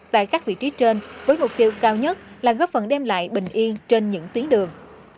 tại các vị trí trên với mục tiêu cao nhất là góp phần đem lại bình yên trên những tuyến đường